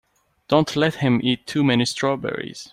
Don't let him eat too many strawberries.